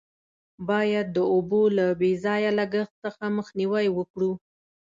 باید د اوبو له بې ځایه لگښت څخه مخنیوی وکړو.